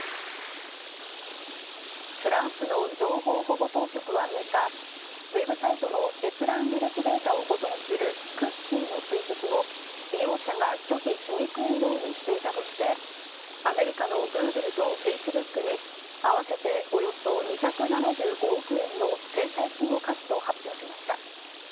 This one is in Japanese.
フランスの情報保護当局は６日、ウェブサイトの閲覧履歴データを保存するクッキーの追跡を利用者が拒否しにくいようにしていたとして、アメリカのグーグルとフェイスブックに合わせておよそ２７５億円の制裁金を科すと発表しました。